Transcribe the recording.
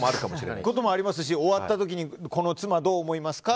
そういうこともありますし終わった時にこの妻どう思いますか？